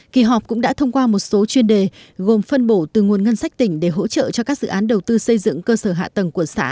kỳ họp cũng đã thông qua một số chuyên đề gồm phân bổ từ nguồn ngân sách tỉnh để hỗ trợ cho các dự án đầu tư xây dựng cơ sở hạ tầng của xã